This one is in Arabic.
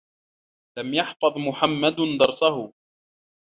لَمْ يَحْفَظْ محمدٌ دَرْسَهُ.